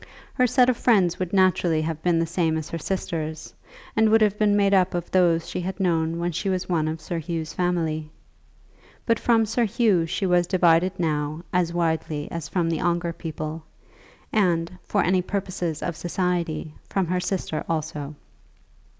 Her set of friends would naturally have been the same as her sister's, and would have been made up of those she had known when she was one of Sir Hugh's family. But from Sir Hugh she was divided now as widely as from the Ongar people, and, for any purposes of society, from her sister also.